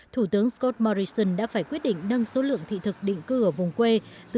thủ tướng scott morrison đã phải quyết định nâng số lượng thị thực định cư ở vùng quê từ